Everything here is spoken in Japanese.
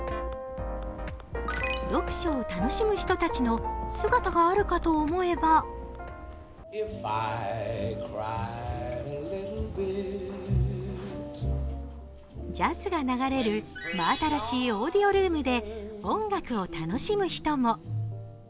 読書を楽しむ人たちの姿があるかと思えばジャズが流れる真新しいオーディオルームで音楽を楽しむ人も。